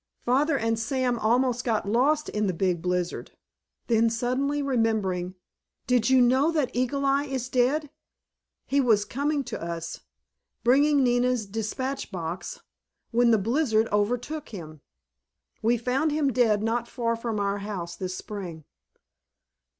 Father and Sam almost got lost in the big blizzard." Then suddenly remembering, "Did you know that Eagle Eye is dead? He was coming to us— bringing Nina's dispatch box—when the blizzard overtook him. We found him dead not far from our house this spring."